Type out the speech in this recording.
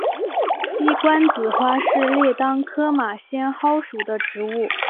鸡冠子花是列当科马先蒿属的植物。